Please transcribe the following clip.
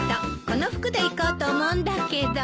この服で行こうと思うんだけど。